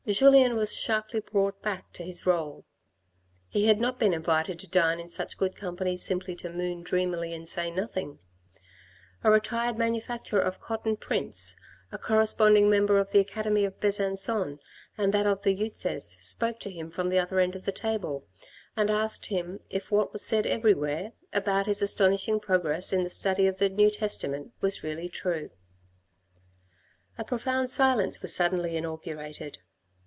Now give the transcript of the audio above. Julien was sharply brought back to his role. He had not been invited to dine in such good company simply to moon dreamily and say nothing. A retired manufacturer of cotton prints, a corresponding member of the Academy of Besan9on and of that of Uzes, spoke to him from the other end of the table and asked him MANNERS OF PROCEDURE IN 1830 147 if what was said everywhere about his astonishing progress in the study of the New Testament was really true. A profound silence was suddenly inaugurated.